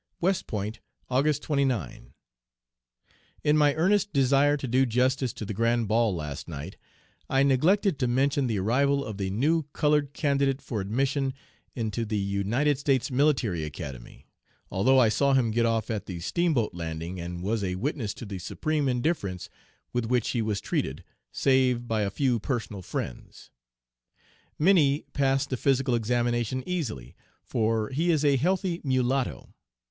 "WEST POINT, August 29. In my earnest desire to do justice to the grand ball last night I neglected to mention the arrival of the new colored candidate for admission into the United States, Military Academy, although I saw him get off at the steamboat lauding and was a witness to the supreme indifference with which he was treated, save by a few personal friends. Minnie passed the physical examination easily, for he is a healthy mulatto.